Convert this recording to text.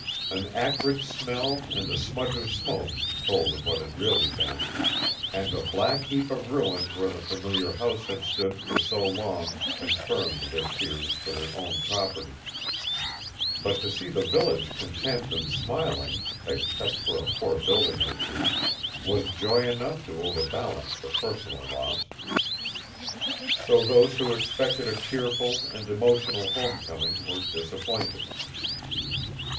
An acrid smell and a smudge of smoke told of what had really been, and a black heap of ruins where the familiar house had stood for so long confirmed their fears for their own property; but to see the village content and smiling, except for a poor building or two, was joy enough to overbalance the personal loss. So those who expected a tearful and emotional home coming were disappointed.